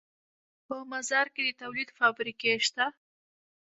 په مزار کې د تولید فابریکې شته